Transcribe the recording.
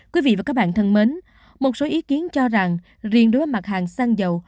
quý vị và các bạn thân mến một số ý kiến cho rằng riêng đối với mặt hàng xăng dầu